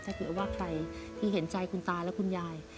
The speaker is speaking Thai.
ถ้าเผื่อว่าใครที่เห็นใจคุณตาและคุณยาย